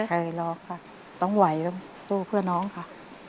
เคยรอค่ะต้องไหวต้องสู้เพื่อน้องค่ะ